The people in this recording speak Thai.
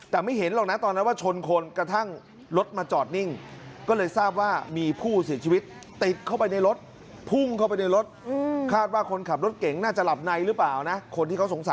แต่ไม่เห็นหรอกนะตอนนั้นว่าชนคน